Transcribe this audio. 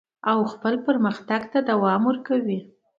او خپل پرمختګ ته دوام ورکوي.